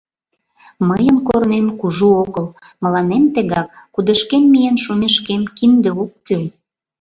Мыйын корнем кужу огыл, мыланем тегак, кудышкем миен шумешкем, кинде ок кӱл.